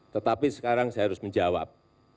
tetapi sekarang saya harus menjawab